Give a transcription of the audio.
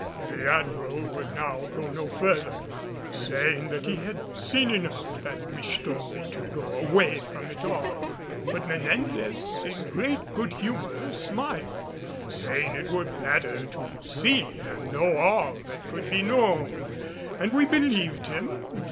The Admiral would now go no further, saying that he had seen enough and wished only to go away from it all. But Menendez, in great good humor, smiled, saying it were better to see and know all that could be known. And we believed him.